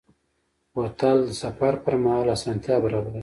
بوتل د سفر پر مهال آسانتیا برابروي.